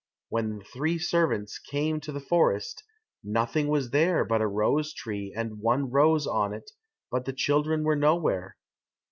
When the three servants came to the forest, nothing was there but a rose tree and one rose on it, but the children were nowhere.